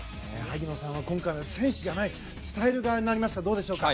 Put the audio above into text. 萩野さんは今回、選手じゃない伝える側になりましたがどうでしょうか？